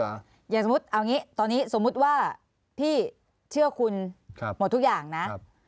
อย่างสมมุติเอาอย่างนี้ตอนนี้สมมุติว่าพี่เชื่อคุณหมดทุกอย่างนะ